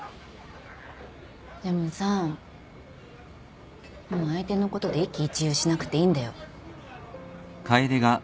でもさもう相手のことで一喜一憂しなくていいんだよ。